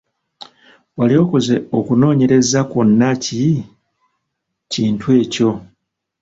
Wali okoze okunoonyereza kwonna ki kintu ekyo?